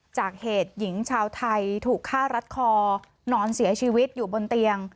จากเหตุหญิงชาวไทยถูกฆ่ารัดคอนอนเสียชีวิตอยู่บนเตียง